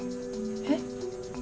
えっ？